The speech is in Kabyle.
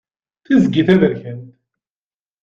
Tiẓgi taberkant.